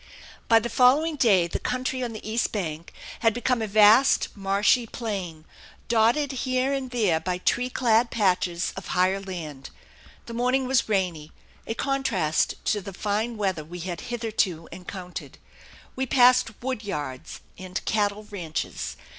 By the following day the country on the east bank had become a vast marshy plain dotted here and there by tree clad patches of higher land. The morning was rainy; a contrast to the fine weather we had hitherto encountered. We passed wood yards and cattle ranches.